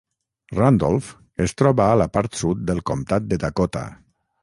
Randolph es troba a la part sud del comptat de Dakota.